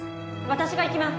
私が行きます！